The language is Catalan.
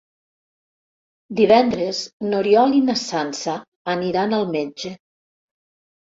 Divendres n'Oriol i na Sança aniran al metge.